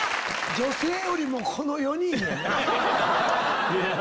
女性よりもこの４人やんな。